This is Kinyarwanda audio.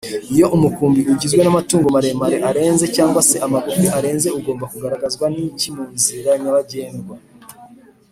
iyo umukumbi ugizwe n’amatungo maremare arenze cg se amagufi arenze ugomba kugaragazwa n’iki munzira nyabagendwa